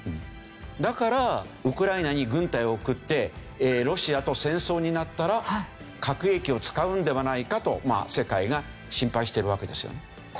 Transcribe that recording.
だからウクライナに軍隊を送ってロシアと戦争になったら核兵器を使うんではないかと世界が心配しているわけですよね。